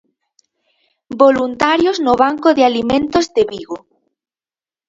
Voluntarios no banco de alimentos de Vigo.